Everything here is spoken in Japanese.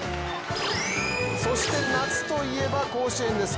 そして、夏といえば甲子園です。